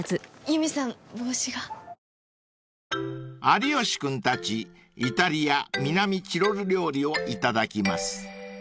［有吉君たちイタリア南チロル料理を頂きます］